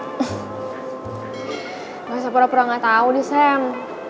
nggak usah pura pura nggak tau deh sam